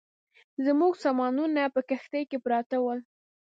زموږ سامانونه په کښتۍ کې پراته ول.